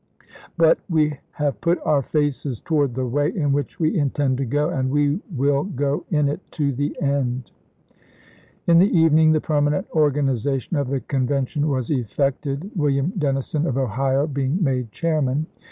. But we have put our faces toward the way of the ,.,. Z ,.,,.. Rebellion," in which we intend to go, and we will go in it pp *m> m to the end." In the evening the permanent organization of June7,i864. the Convention was effected, William Dennison of Ohio being made chairman.